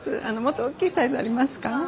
あのもっと大きいサイズありますか？